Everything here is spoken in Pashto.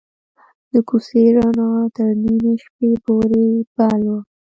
د کوڅې رڼا تر نیمې شپې پورې بل وه.